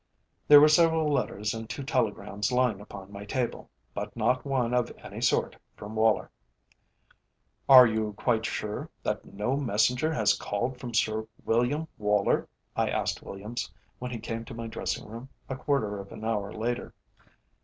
There were several letters and two telegrams lying upon my table, but not one of any sort from Woller. "Are you quite sure that no messenger has called from Sir William Woller?" I asked Williams, when he came to my dressing room, a quarter of an hour later.